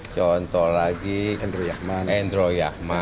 contoh lagi endro yahman